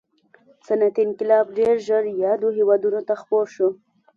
صنعتي انقلاب ډېر ژر یادو هېوادونو ته خپور شو.